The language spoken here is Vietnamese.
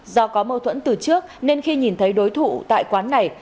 do có mâu thuẫn từ trước nên khi nhìn thấy đối thủ tại quán này